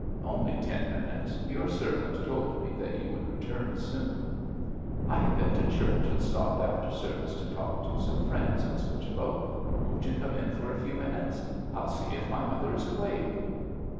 'Only ten minutes; your servant told me that you would return soon.' 'I have been to church and stopped after service to talk to some friends, Miss Whichello. Won't you come in for a few minutes? I'll see if my mother is awake.'